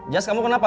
jessie kamu kenapa